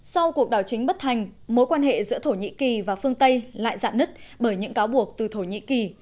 sau cuộc đảo chính bất thành mối quan hệ giữa thổ nhĩ kỳ và phương tây lại dạn nứt bởi những cáo buộc từ thổ nhĩ kỳ